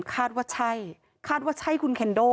คาดว่าใช่คาดว่าใช่คุณเคนโด